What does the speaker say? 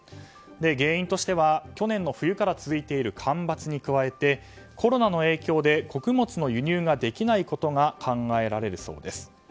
原因としては去年の冬から続いている干ばつに加えてコロナの影響で穀物の輸入ができないことが考えられるそうです。